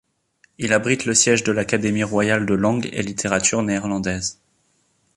Il abrite le siège de l'Académie royale de langue et littérature néerlandaises.